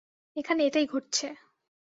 এখানে এটাই ঘটছে।